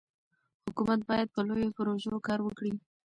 حکومت باید په لویو پروژو کار وکړي.